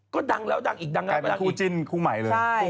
กลายเป็นคู่จิ้นคู่ใหม่เลย